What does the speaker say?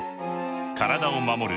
体を守る